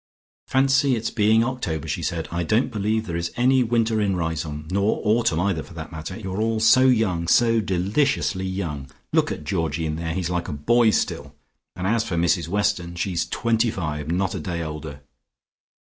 "Fancy it's being October," she said. "I don't believe there is any winter in Riseholme, nor autumn either, for that matter. You are all so young, so deliciously young. Look at Georgie in there: he's like a boy still, and as for Mrs Weston, she's twenty five: not a day older."